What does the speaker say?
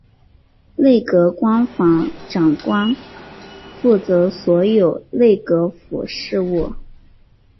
内阁官房长官负责所有内阁府事务。